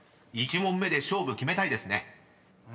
１問目で勝負決めたいですね］